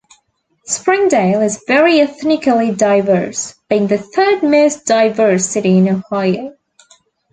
Springdale is very ethnically diverse, being the third most diverse city in Ohio.